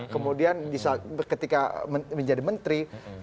kemudian ketika menjadi menteri